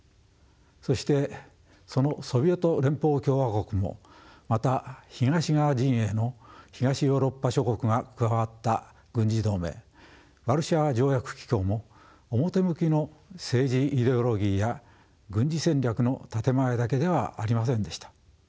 そしてそのソビエト連邦共和国もまた東側陣営の東ヨーロッパ諸国が加わった軍事同盟ワルシャワ条約機構も表向きの政治イデオロギーや軍事戦略の建て前だけではありませんでした。